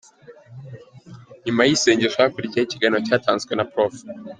Nyuma y’isengesho hakurikiyeho ikiganiro cyatanzwe na Prof.